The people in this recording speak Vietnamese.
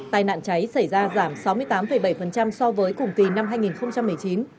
tài nạn cháy xảy ra giảm sáu mươi tám bảy so với cùng kỳ năm hai nghìn một mươi chín